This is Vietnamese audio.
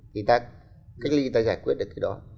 thì ta cách ly người ta giải quyết được cái đó